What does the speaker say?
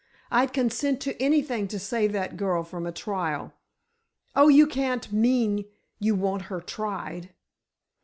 I'd consent to anything to save that girl from a trial—oh, you can't mean you want her tried!"